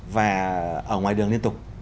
và ở ngoài đường liên tục